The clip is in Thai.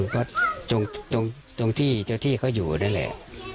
ก็ตรงที่เค้าอยู่นั่นแหละ